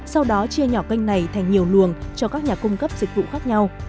sau đó chia nhỏ kênh này thành nhiều luồng cho các nhà cung cấp dịch vụ khác nhau